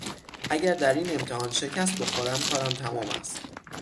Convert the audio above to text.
اگر در این امتحان شکست بخورم کارم تمام است.